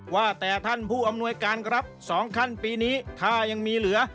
ว่าแต่ท่านผู้อำนวยการครับสองขั้นปีนี้ถ้ายังมีเหลือ